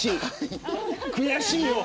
悔しいよ。